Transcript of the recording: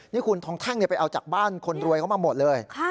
นี่คุณทองแท่งไปเอาจากบ้านคนรวยเข้ามาหมดเลย